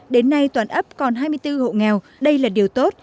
đến nay toàn ấp còn hai mươi bốn hộ nghèo đây là điều tốt